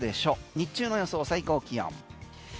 日中の予想最高気温。